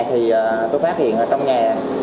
thì tôi phát hiện trong nhà